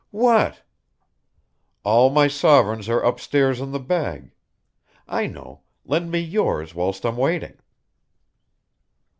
"What?" "All my sovereigns are upstairs in the bag I know lend me yours whilst I'm waiting."